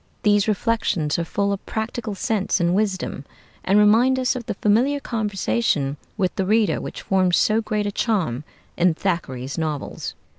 These reflections are full of practical sense and wisdom, and remind us of the familiar conversation with the reader which forms so great a charm in Thackeray's novels.